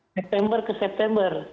september ke september